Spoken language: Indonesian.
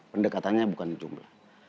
pendekatannya bukan jumlah